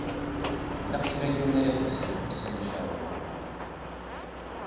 Ilaq kra n yiwen ara iḥebsen Lḥusin n Caɛban u Ṛemḍan.